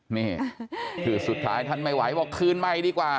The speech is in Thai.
นี่คือสุดท้ายท่านไม่ไหวบอกคืนใหม่ดีกว่า